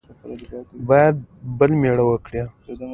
باید بل مېړه وکړي.